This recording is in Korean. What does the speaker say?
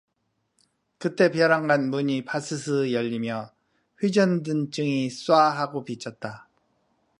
그때 별안간 문이 바스스 열리며 회중전등이 쏴 하고 비쳤다.